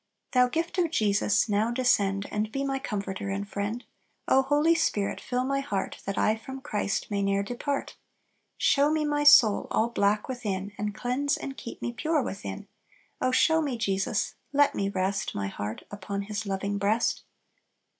"Thou gift of Jesus, now descend, And be my Comforter and Friend; O Holy Spirit, fill my heart, That I from Christ may ne'er depart! "Show me my soul all black within, And cleanse and keep me pure within; Oh, show me Jesus! let me rest My heart upon His loving breast!"